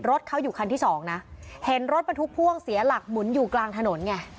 รถเขาอยู่คันที่สองนะเห็นรถบรรทุกพ่วงเสียหลักหมุนอยู่กลางถนนไง